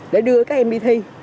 để đưa các em đi thi